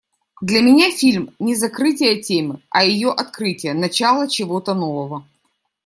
Для меня фильм не закрытие темы, а ее открытие, начало чего-то нового.